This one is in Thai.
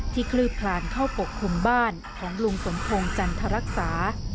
คลืบคลานเข้าปกคลุมบ้านของลุงสมพงศ์จันทรรักษา